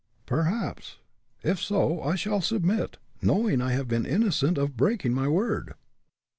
"Perhaps. If so, I shall submit, knowing I have been innocent of breaking my word."